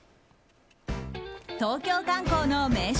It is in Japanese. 東京観光の名所